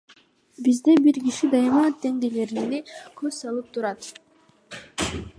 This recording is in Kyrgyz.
Бизде бир киши дайыма тендерлерге көз салып турат.